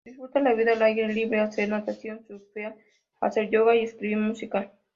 Disfruta la vida al aire libre, hacer natación, surfear, hacer yoga y escribir música.